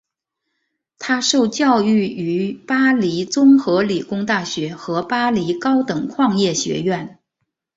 他受教育于巴黎综合理工大学和巴黎高等矿业学院。